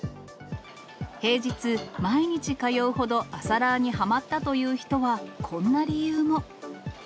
平日、毎日通うほど朝ラーにはまったという人は、こんな理由も。